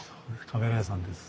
カメラ屋さんです。